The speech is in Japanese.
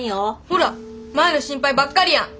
ほら舞の心配ばっかりやん！